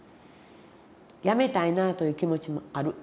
辞めたいなあという気持ちもある。